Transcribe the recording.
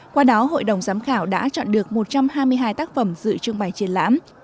qua đó hội đồng giám khảo đã chọn được một trăm hai mươi hai tác phẩm dự trưng bày triển lãm